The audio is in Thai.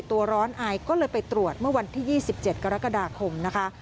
ร้อนอายก็เลยไปตรวจเมื่อวันที่๒๗กรกฎาคมนะคะ